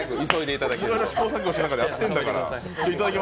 いろいろ試行錯誤しながらやってるんだから。